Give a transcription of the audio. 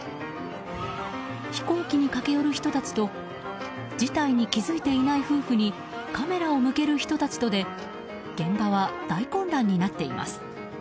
飛行機に駆け寄る人たちと事態に気づいていない夫婦にカメラを向ける人たちとで現場は大混乱になっています。